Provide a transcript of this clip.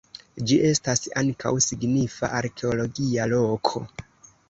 Ĝi estas ankaŭ signifa arkeologia loko.